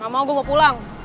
gak mau gue mau pulang